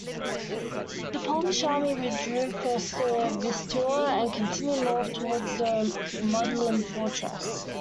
The Polish Army withdrew across the Vistula and continued north towards the Modlin Fortress.